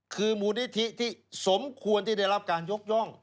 คือมูลนิธิที่สมควรที่ได้รับการยกย่อง